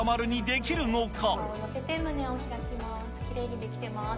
きれいにできてます。